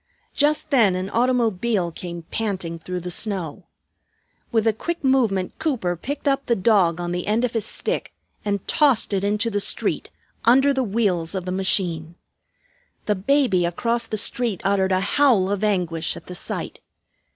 Just then an automobile came panting through the snow. With a quick movement Cooper picked up the dog on the end of his stick and tossed it into the street, under the wheels of the machine. The baby across the street uttered a howl of anguish at the sight.